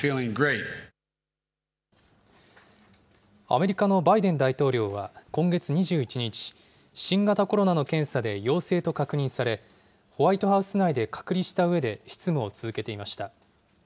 アメリカのバイデン大統領は今月２１日、新型コロナの検査で陽性と確認され、ホワイトハウス内で隔離したうえで、執務を続けていました。